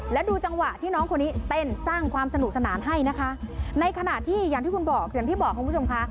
และดูจังหวะที่น้องคนนี้เต้นสร้างความสนุกสนานให้นะคะในขณะที่อย่างที่คุณบอกอย่างที่บอกคุณผู้ชมค่ะ